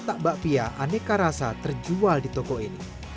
rata rata seribu kotak bakpia aneka rasa terjual di toko ini